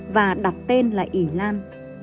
và đặt tên là ỉ lan